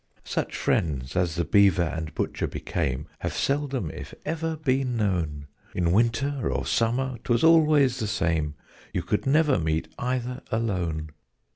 Such friends, as the Beaver and Butcher became, Have seldom if ever been known; In winter or summer, 'twas always the same You could never meet either alone.